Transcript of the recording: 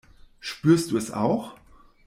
Spürst du es auch?